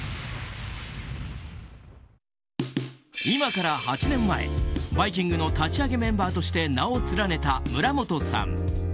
今から８年前、「バイキング」の立ち上げメンバーとして名を連ねた村本さん。